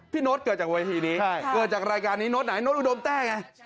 โน๊ตเกิดจากเวทีนี้เกิดจากรายการนี้โน้ตไหนโน๊ตอุดมแต้ไง